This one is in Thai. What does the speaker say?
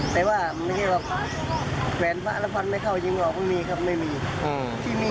ถ้าเราดีแล้วแขวนพระมันก็ดีถ้าเราไม่ดี